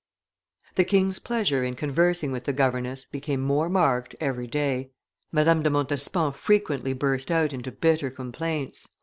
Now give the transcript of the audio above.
The king's pleasure in conversing with the governess became more marked every day; Madame de Montespan frequently burst out into bitter complaints.